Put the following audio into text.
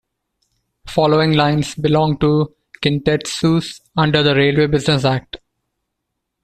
Following lines belong to Kintetsu's under the Railway Business Act.